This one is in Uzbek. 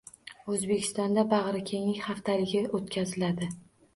O‘zbekistonda “bag‘rikenglik haftaligi” o‘tkaziladi